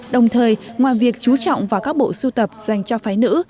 đồng thời ngoài việc chú trọng vào các bộ sưu tập dành cho phái nữ